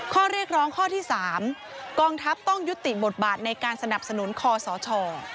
ข้อเรียกร้องข้อที่๓กองทัพต้องยุติบทบาทในการสนับสนุนคอสช